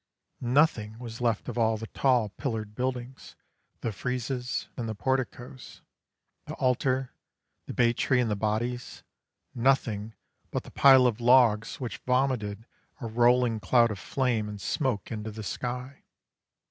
Nothing was left of all the tall pillared buildings, the friezes and the porticos, the altar, the bay tree and the bodies nothing but the pile of logs which vomited a rolling cloud of flame and smoke into the sky.